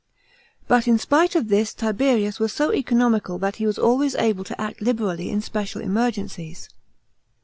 But in spite of this Tiberius was so economical that he was always able to act liberally in special emergencies.